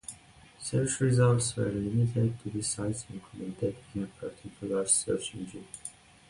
Search results were limited to the sites included in a particular search engine.